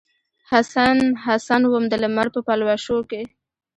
حسن ، حسن وم دلمر په پلوشو کې